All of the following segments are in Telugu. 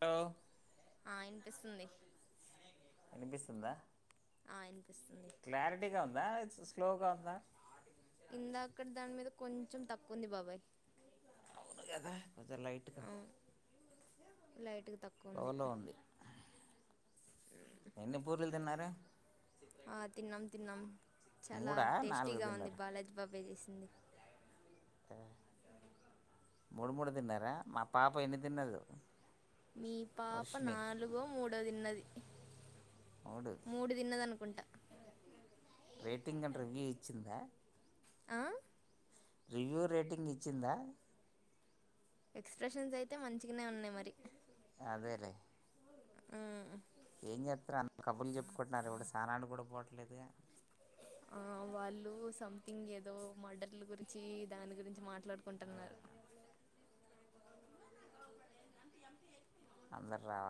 లో ఆ ఇనిపిస్తుంది ఇనిపిస్తుందా వినిపిస్తుంది క్లారిటీగా ఉందా ఇ స్ స్లోగా ఉందా ఇందాకాడి దాని మీద కొంచెం తక్కువుంది బాబాయ్ అవును కదా కొంచం లైట్గా లైట్గా పొగలో ఉంది ఎన్ని పూరీలు తిన్నారు ఆ తిన్నాం తిన్నాం చాలా మూడా నాలుగు టేస్టీగా ఉంది తిన్నారు బాలాజీ బాబే చేస్ అ మూడు మూడు తిన్నారా మా పాప ఎన్ని తిన్నదో మీ పాప వర్షిణి నాలుగో మూడో తిన్నది మూడు తిన్నదను ఉంట రేటింగ్ అండ్ రివ్యూ ఇచ్చిందా ఆ రివ్యూ రేటింగ్ ఇచ్చిందా ఎక్స్ప్రెషన్స్ అయితే మంచిగానే ఉన్నాయి మరి అదేలే ఉమ్. ఏం చేతున్నారు కాబ్రులు చెప్పుకుంటున్నారు ఎవిడు స్నానానీకకి కూడా పోవట్లేదు ఆ వాళ్ళు సంథింగ్ ఏదో మర్డర్ల గురించి దాని గురించి మాట్లాడుకుంటున్నారు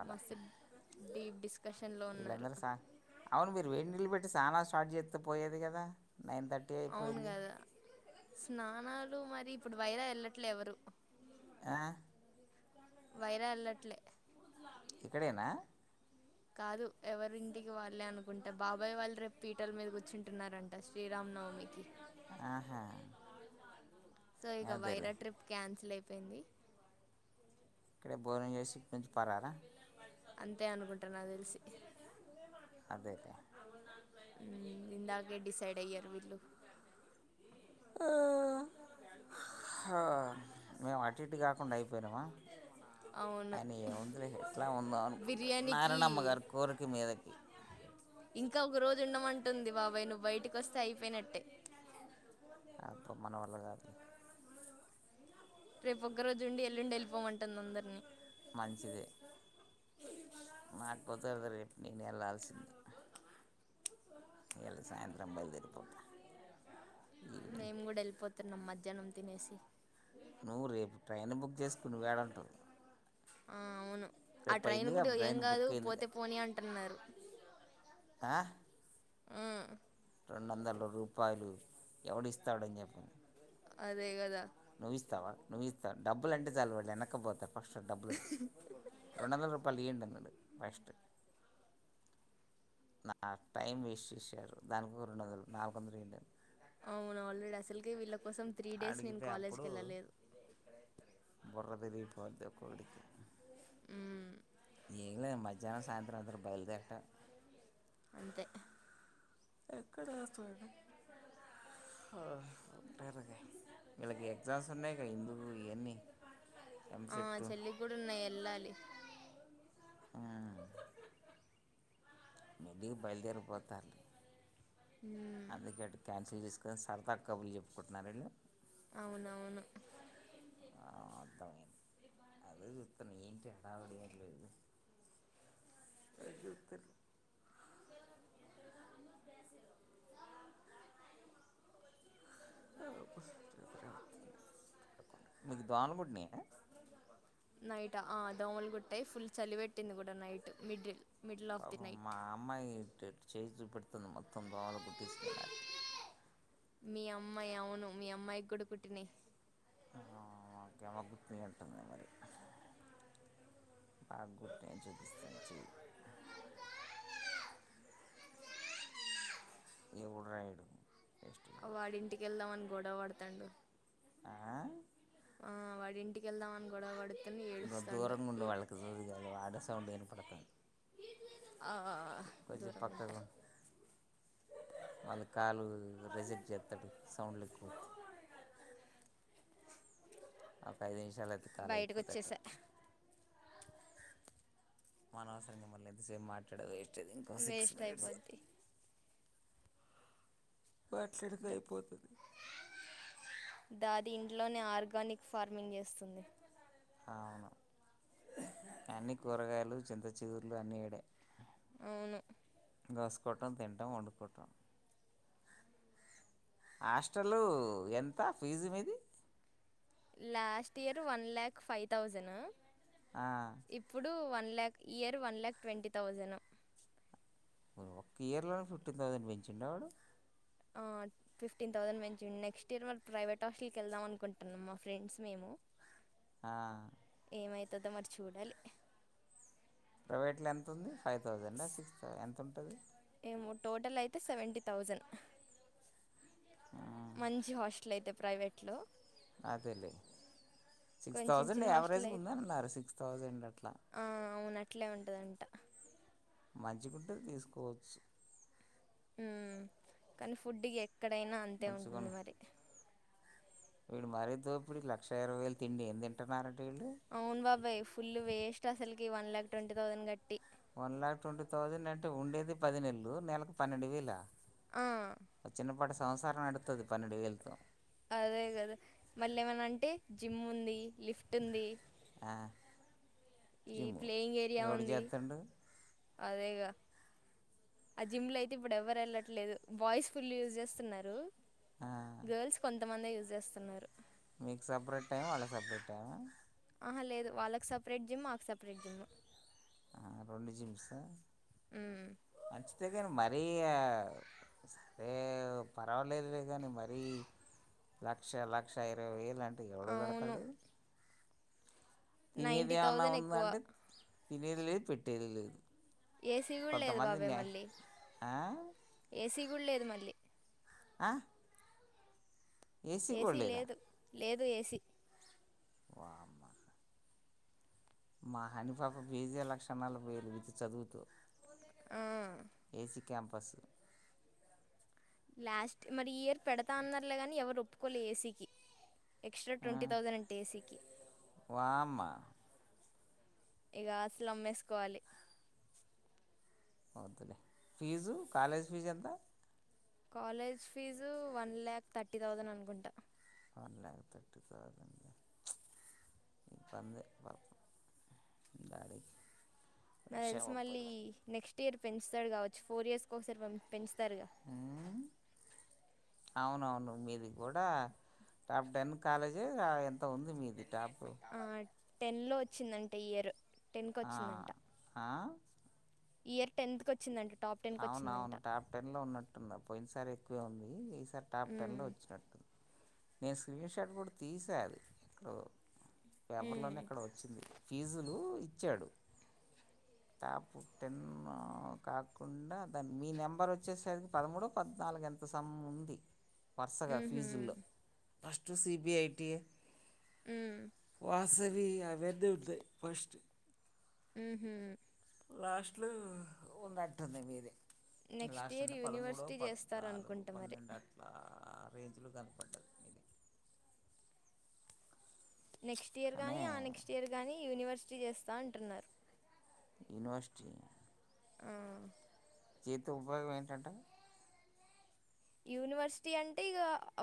మాసే డీప్ డిస్కషన్లో ఉన్నారు వీళ్ళందరసా అవును మీరు వేడిళ్ళు పెట్టి సానా స్టార్ట్ చేస్తూ పోయేది కదా నైన్ థర్టీ అవును అయిపోయింది కదా స్నానాలు మరి ఇప్పుడు వైరా వెళ్ళట్లే ఎవరు ఆ వైరా ఎళ్లట్లే ఇక్కడేనా కాదు ఎవరింటికి వాళ్ళే అనుకుంటే బాబాయ్ వాళ్ళు రేపు పీటల మీద కూర్చుంటున్నారంట శ్రీ రామనవమి కీ ఆహా సో ఇక అదేలే వైరా ట్రిప్ క్యాన్సిల్ అయిపోయింది ఇక్కడే భోజనం చేసి ఇటు నుంచి పరరా అంతే అనుకుంట నక్ తెలిసి అదేలే ఇందాగే డిసైడ్ అయ్యారు వీళ్ళు ఆ హ మేము అటుఇటు కాకుండా అయిపోయినామా అవును అయన ఏముంది ఎట్లా ఉ మనుకుందాం బిర్యానీకి నారాయణమ్మ గారి కోరిక మీదకి ఇంకా ఒక రోజు ఉండమంటుంది బాబాయ్ నువ్వు బయటకి అస్తే అయిపోయినట్టే అబ్బ మన వల్ల కాదు రేపు ఒక్క రోజు ఉండి ఎల్లుండి ఎళ్ళిపోమంటుంది అందరిని మంచిది మది కుదరదు రేపు వెళ్లాల్సింది ఇయ్యాలా సాయంత్రం బయలుదేరిపోతా ఈవినింగ్ మేము కూడా వెళ్ళిపోతున్నాం మధ్యాహ్నం తినేసి నువ్వు రేపు ట్రైన్ బుక్ చేసుకొని నువ్వుయడుంటావ్ ఆ అవును ఆ ట్రైన్ కూడా ఏం ట్రైన్ కాదు బుక్ అయిందిగా పోతే పోనీ అంటున్నారు ఆ ఉమ్ రెండు వందల రూపాయలు ఎవడిస్తాడని చెప్పు అదే గదా నువ్ ఇస్తావా నువ్ ఇస్తావు డబ్బులు అంటే చాలు వాళ్ళు వెనకపోతారు ఫస్ట్ డబ్బులు రొండోదలరూపాయల ఇయ్యండి అందర్ ఫస్ట్ నా టైం వేస్ట్ చేశారు దానికికో రెండు వందలు నాలుగు వందలు ఈయాండి అవును ఆల్రెడీ అసలుకే వీళ్ళకు కోసం త్రీ డేస్ నేను అడిగితే అప్పుడు కాలేజ్కి ఎళ్ళలేదు బుర్ర తిరిగిపోద్ది ఒక్కొక్కడికి ఏం లే మధ్యాహ్నం సాయంత్రం అందరూ బయలుదేరతర్ అంతే ఎక్కడ వస్తా [unintelligible] పెరిగే వీళ్ళకి ఎగ్జామ్స్ ఉన్నాయి గా ఎందుకు ఇయన్నీ ఆ చెల్లికి కూడా ఉన్నాయి ఎళ్ళాలి ఆ మళ్ళీగా బయలుదేరిపోతా మ్మ్. అందుకేటికెట్ క్యాన్సిల్ చేసి సరదా కబుర్లు చెప్పుకుంటున్నారిళ్ళు అవునవును ఆ అర్థమైంది అదే చూస్తున్న ఏంటి హడావడి ఏం లేదు [unintelligible] అబ్బా నిద్రే వస్తుంది పడుకుంటా మీకు దోమలుకుట్టినాయ నైట్ ఆ దోమలు కుట్టాయి ఫుల్ చలి పెట్టింది కూడా night middle middle of the పాపం మా నైట్ అమ్మాయి ఎట్టె చేయి చూపెడుతుంది మొత్తం దోమలు కుట్టేసినాయి మీ అమ్మాయి అవును మీ అమ్మాయి కూడా కుట్టినయ్ ఆహా ఒకే [unintelligible] కుట్టినాయ్ అంటుంది మరి బాగ కుట్టినాయ్ చూపిస్తుంది చెయ్ ఎవడ్రా వీడు వాడింటికి వెళ్దాం అని గొడవ వడతాండు ఆ ఆ వాడి ఇంటికి వెళ్దామని గొడవపడ నువ్ దూరంగా ఉండు వాళ్ళకి [unintelligible] వాళ్ళ సౌండ్ వినపడుతుంది ఆ ఆ కొంచెం పక్కకు మళ్ళీ కాలు రిజెక్ట్ చేస్తాడు సౌండ్లు ఎక్కువస్తే ఒక ఐదు నిమిషాలు అయితే కాలు బయటకు అయిపోతట్టు వచ్చేసా అనవసరంగా మళ్ళీ ఇంతసేపు మాట్లాడే వేస్ట్ ఇంకో సిక్స్ వేస్ట్ మినిట్స్ అయిపోద్ది మాట్లాడుతే ద అయిపోతది దాది ఇంట్లోనే ఆర్గానిక్ ఫార్మింగ్ చేస్తుంది అవును అన్నీ కూరగాయలు చింత చిగుర్లు అన్నీ ఈడే అవును గోసుకుంటాం తింటాం వండుకోటం హాస్టలు ఎంత ఫీజు మీది last year one lakh five thousand ఇప్పుడు one lakh year one lakh twenty thousand ఒక్క ఇయర్లోనే ఫిఫ్టీన్ థౌజండ్ పెంచిండా వాడు ఫిఫ్టీన్ థౌజండ్ పెంచిండు నెక్స్ట్ ఇయర్ మరి ప్రైవేట్ హాస్టల్కి వెళ్దాం అనుకుంటున్నాం మా ఫ్రెండ్స్ మేము ఆ ఏమైతదో మరి చూడాలి ప్రైవేట్లో ఎంతుంది ఫైవ్ థౌజండ్ ఆ సిక్స్ థౌస్ ఎంత ఉంటుంది ఏమో టోటల్ అయితే సెవెంటీ థౌజండ్ మంచి హాస్టల్ అయితే ప్రైవేట్లో అదేలే సిక్స్ కొంచెం థౌజండ్ చిన్న హాస్టల్ యావరేజ్గా ఉంద అయితే అన్నారు సిక్స్ థౌజండ్ అట్లా అవును అట్లే ఉంటుందంట మంచిగుంటే తీసుకోవచ్చు ఉమ్ కానీ ఫుడ్ ఇక ఎక్కడైనా అంతే ఉంటుంది మంచిగా మరి వీడు మరి తో పిడు లక్ష ఇరవై వేలు తిండి ఏమి తింటున్నారనీ అవును బాబాయ్ ఫుల్ వేస్ట్ అసలుకి వన్ లాక్ ట్వంటీ థౌజండ్ కట్టి వన్ లాక్ ట్వంటీ థౌజండ్ అంటే ఉండేది పది నెలలు నెలకు పన్నెండు వేలా ఆ చిన్నపాటి సంసారం పెడుతది పన్నెండు వేలతో అదే కదా మళ్ళీ ఏమన్నా అంటే జిమ్ ఉంది లిఫ్ట్ ఉంది ఆ ఈ ప్లేయింగ్ ఏరియా ఉంది చేస్తుండు అదేగా ఆ జిమ్ లో అయితే ఇప్పుడు ఎవరు వెళ్ళట్లేదు బాయిస్ ఫుల్ యూస్ చేస్తున్నారు ఆ గర్ల్స్ కొంతమంది యూజ్ చేస్తున్నారు నీకు సపరేట్ టైమ్ వాళ్ళకి సపరేట్ టైమా ఆహా లేదు వాళ్ళకి సపరేట్ జిమ్ మాకు సపరేట్ జిమ్ ఆ రెండు జీమ్స్ హ్మ్ మరి పర్వాలేదులే కానీ మరి లక్ష లక్ష ఇరవై వేలు అంటే ఎవడు అవును కడతాడు తినేది నైంటీ ఏమన్నా థౌజండ్ ఎక్కువ ఉందంటే తినేది లేదు పెట్టేది లేదు ఏసీ కూడా లేదు కొంతమంది బాబాయి నే మళ్ళీ ఆ ఏసీ కూడా లేదు మళ్ళీ ఆ ఏసీ కూడాలేదా లేదు ఏసీ వామ మా హానీ పాప ఫిజే లక్ష నలపైవేళ్ళు విత్ చదువుతో ఆ, ఏసీ క్యాంపస్ లాస్ట్ మరి ఈ ఇయర్ పెడతా అన్నారులే గాని ఎవరు ఒప్పుకోలే ఏసీకి ఎక్స్ట్రా ట్వంటీ తౌసండ్ అంటా ఏసీకి వామ ఇగ ఆస్తులు అంబేసుకోవాలి వద్దులే ఫీజు కాలేజ్ ఫీజ ఎంత college fee one lakh thirty thousand అనుకుంటా వన్ లాక్ థర్టీ తౌసండ ఇ బధే దాడిే [unintelligible] నాకు తెలిసి మళ్ళీ నెక్స్ట్ ఇయర్ పెంచుతాడు కావచ్చు ఫోర్ ఇయర్స్ ఒకసారి పెంచుత పెంచుతారు గా అవునవును మీది కూడా టాప్ టెన్ కాలేజి ఆ ఎంతో ఉంది మీది టాప్ ఆ టెన్ లో వచ్చిందంట ఇ ఇయర్ టెన్కి ఆ ఆ ఇ ఇయర్ టెన్త్కి ఒచ్చిందంట అవున అవును టాప్ టెన్ లో ఉన్నట్ ఉంద పోయిన సార్ ఎక్కువే ఉంది ఈసారి టాప్ టెన్ లో మ్మ్. వచ్చినట్టుంది నేను స్క్రీన్షాట్ కూడా తీసా అది ఎక్కడో పేపర్ లోనే మ్మ్. ఎక్కడో వచ్చింది ఫీజులు ఇచ్చాడు టాప్ టెన్ కాద్ కుండా దాన్ని మీ నెంబర్ ఒచ్చేసరికి పదమూడో పద్నాలుగు ఎంతో సమ్ ఉంది వరుసగా మ్హూ. ఫీజుల్లో ఫస్ట్ సిబిఐటి ఏ మ్మ్. వాసవి అవన్ని వున్నయ్ ఫస్ట్ ఊహ్మ్ లాస్ట్లు ఉన్నటుంది మీది నెక్స్ట్ లాస్ట్లో ఇయర్ అంటే పదమూడో యూనివర్సిటీ చేస్తారు పద్నాలుగు అనుకుంటా మరి పన్నెండు అట్లా ఆ రేంజ్లో కనపడ్డది ఇది నెక్స్ట్ ఇయర్ కానీ గానీ ఆ నెక్స్ట్ ఇయర్ గానీ యూనివర్సిటీ చేస్తా అంటున్నారు యూనివర్సిటీ ఆ. దీంతో ఉపయోగం ఏంటంటే యూనివర్సిటీ అంటే ఇగ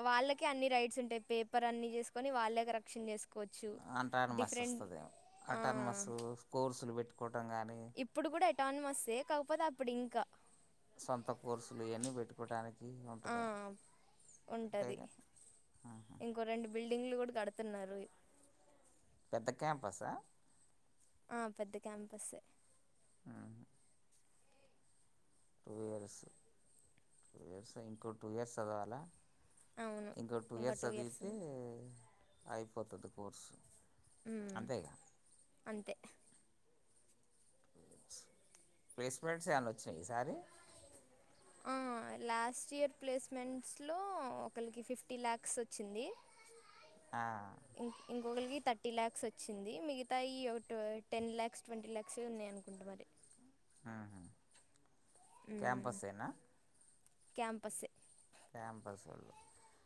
వాళ్ళకె అన్ని రైట్స్ ఉంటాయి పేపర్ అన్ని థీసుకొని వాళ్ళ కరప్షన్ జేస్ కోచ్చు అంటానమస్ డిఫరెం వస్తుందేమో ఆ అటానమస్ కోర్సులు పెట్టుకోవటం కానీ ఇప్పుడు కూడా ఎటానమస్ ఏ కాకపోతే అప్పుడు ఇంకా సొంత కోర్సులు ఇయన్ని పెట్టుకోటానికి ఆ. ఉంటది. ఉంటది అంతేగా ఆహా లింగ్లు గూడా గడుతున్నారోయ్ పెద్ద క్యాంపసా ఆ పెద్ద క్యాంపస్ ఎ ఆహ టూ ఇయర్స్ టూ ఇయర్స్ ఇంకో టూ ఇయర్స్ చదవాలా? అవును ఇంకో టూ ఇంకా ఇయర్స్ సదివితే ఉంది అయిపోతది కోర్సు. ఊమ్ అంతేగా అంతే ప్లేస్మెంట్స్ ఏవన్న ఒచ్చినయ ఈ సారి? ఆ లాస్ట్ ఇయర్ ప్లేస్మెంట్స్లో ఒకలికి ఫిఫ్టీ ల్యాక్స్ ఒచ్చింది. ఆ, ఇ ఇంకలికి తట్ థర్టీ లాక్స్ ఒచ్చింది, మిగతాయి ఒక to ten lakhs, twenty lakhs ఉన్నాయనుకుంట మరి ఆహా మ్మ్ క్యాంపసేనా క్యాంపస్సే క్యాంపసోళ్ళు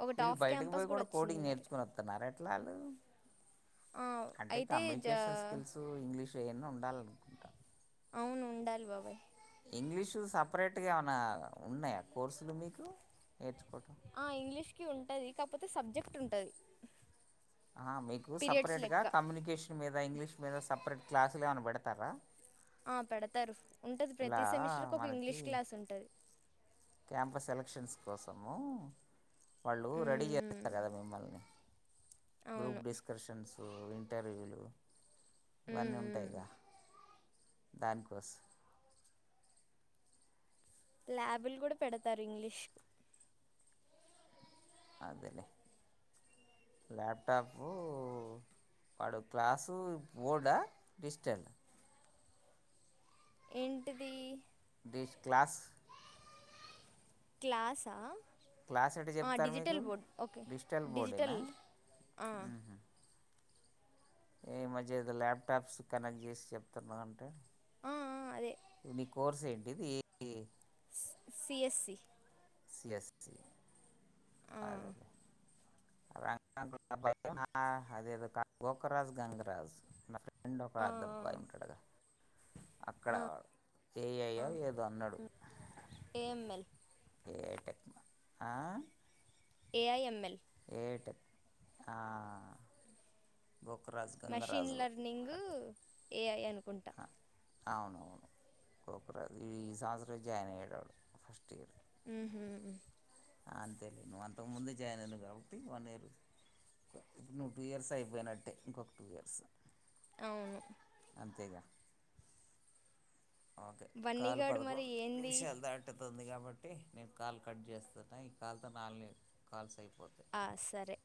ఒకటి వీళ్ళు ఆఫ్ బయటకు క్యాంపస్ బోయి కూడా గూడా వచ్చింది కోడింగ్ మరి నేర్చుకుని ఒతన్నారా ఎట్లా ఆ అంటే అయితే జ కమ్యూనికేషన్ స్కిల్స్, ఇంగ్లీష్ అయ్యన్నీ ఉండాలనుకుంటా అవును ఉండాలి బాబాయ్ ఇంగ్లీషు సపరేట్గా ఏమన్నా ఉన్నాయా? కోర్సులు మీకు నేర్చుకో ఆ ఇంగ్లీష్ కి ఉంటది, కాకపోతే సబ్జెక్ట్ ఉంటది. ఆహా మీకు సపరేట్గా కమ్యూనికేషన్ మీద ఇంగ్లీష్ మీద సపరేట్ క్లాసులేమనా బెడతారా? ఆ పెడతారు ఉంటది ప్రతి సెమిస్టర్కి ఒక మనకి ఇంగ్లీష్ క్లాస్ ఉంటది. క్యాంపస్ సెలక్షన్స్ కోసము వాళ్ళు రెడీ జేపిస్తారు కదా! మిమ్మల్ని గ్రూప్ అవును డిస్కర్షన్స్ లు ఇంటర్వ్యూలు ఇవన్నీ మ్మ్. ఉంటాయిగా. దానికోస్ ల్యాబులు కూడా పెడతారు. ఇంగ్లీష్ కి అదేలే ల్యాప్టాపు వాడు క్లాసు బోర్డా, డిజిటల్! ఏంటిది డిష్ క్లాస్ క్లాసా క్లాస్ ఎట్ట ఆ చెప్తారు మీకు డిజిటల్ బోర్డ్ ఓకే డిజిటల్ ఆ ఈ మధ్యేడో ల్యాప్టాప్స్ కనెక్ట్ చేసి చెప్తున్నా అంటే ఆ, ఆ, అదే నీ కోర్స్ ఏంటిది ఏ ఏ C C S E C S E అదేలే ఆ అదే అద కా గోక్రాజ్ గంగరాజ్ రెండు ఒక అద్దబ్బాయి ఉంటాడుగా అక్కడ వాడు ఏ ఐ యో ఏదో అన్నడు. ఏఎంఎల్ ఏటెక్ ఆ ఏఐ ఎంఎల్ ఏఐ టెక్ ఆ గోకురాజు మెషిన్ గంగరాజులు లెర్నింగ్, ఏ ఐ అనుకుంటా అవునవును కోకరాజ ఈ ఈ సంవత్సరం జాయిన్ అయ్యాడు ఫస్ట్ ఇయర్ ఊహూ అంతే నువ్వంతకు ముందే జాయిన్ అయినవు కాబట్టి వన్ ఇయర్ నువ్వు టూ ఇయర్స్ అయిపోయినట్టే. ఇంకొక టూ ఇయర్స్ అవును అంతేగా ఓకే కాలు బన్నీగాడు మరి పదకొండు ఏంది నిమిషాలు దాటుతుంది గా? కాబట్టి నేను కాల్ కట్ చేస్తున్నా ఈ కాల్తో నాలుగు కాల్స్ అయిపో ఆ సరే